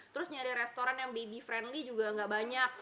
terus nyari restoran yang baby friendly juga gak banyak